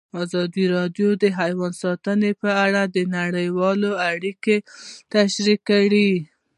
ازادي راډیو د حیوان ساتنه په اړه نړیوالې اړیکې تشریح کړي.